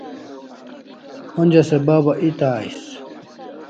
Onja se Baba eta ais